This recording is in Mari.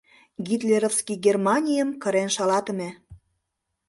— Гитлеровский Германийым кырен шалатыме.